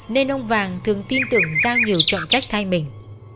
nên ông vàng thường tin tưởng giao nhiều trọng trách thay mình